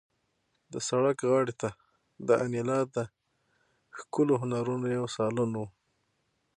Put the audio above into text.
د سړک غاړې ته د انیلا د ښکلو هنرونو یو سالون و